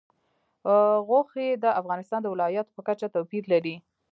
غوښې د افغانستان د ولایاتو په کچه توپیر لري.